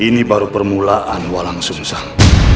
ini baru permulaan walang sumsel